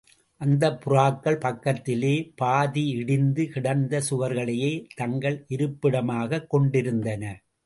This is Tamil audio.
அந்தப் புறாக்கள் பக்கத்திலே பாதியிடிந்து கிடந்த சுவர்களையே தங்கள் இருப்பிடமாகக் கொண்டிருந்தன.